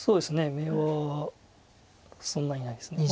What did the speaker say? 眼はそんなにないです。